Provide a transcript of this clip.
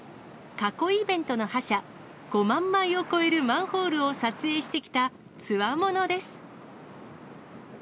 過去イベントの覇者、５万枚を超えるマンホールを撮影してきたつわものです。